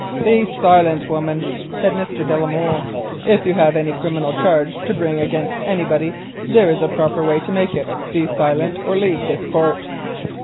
"Be silent, woman," said Mr. de la Molle; "if you have a criminal charge to bring against anybody there is a proper way to make it. Be silent or leave this court."